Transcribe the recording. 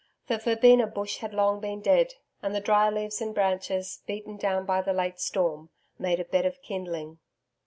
The verbena bush had long been dead, and the dry leaves and branches, beaten down by the late storm, made a bed of kindling.